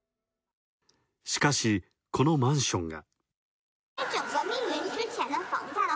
しかし、このマンションが。